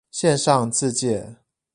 線上自介